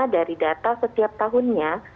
dari data setiap tahunnya